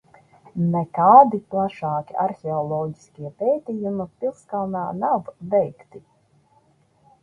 Nekādi plašāki arheoloģiskie pētījumi pilskalnā nav veikti.